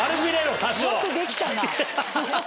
よくできたな。